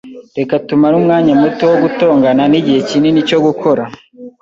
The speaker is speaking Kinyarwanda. Reka tumare umwanya muto wo gutongana nigihe kinini cyo gukora.